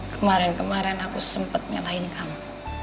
kemarin kemarin aku sempet nyalahin kamu